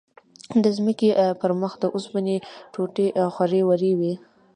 د ځمکې پر مخ د اوسپنو ټوټې خورې ورې وې.